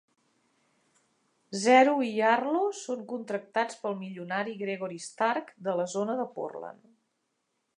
Zero i Arlo són contractats pel milionari Gregory Stark de la zona de Portland.